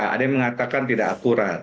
ada yang mengatakan tidak akurat